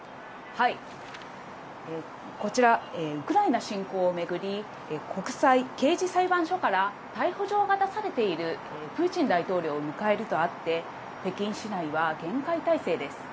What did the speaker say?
こちら、ウクライナ侵攻を巡り、国際刑事裁判所から逮捕状が出されているプーチン大統領を迎えるとあって、北京市内は厳戒態勢です。